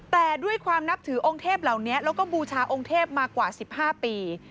แต่ด้วยความนับถือองค์เทพเหล่านี้แล้วก็บูชาองค์เทพมากว่า๑๕ปี